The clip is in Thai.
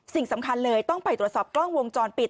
สิ่งสำคัญเลยต้องไปตรวจสอบกล้องวงจรปิด